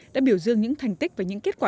đã biểu dương những thành tích và những kết quả